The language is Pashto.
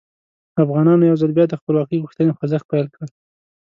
افغانانو یو ځل بیا د خپلواکۍ غوښتنې خوځښت پیل کړ.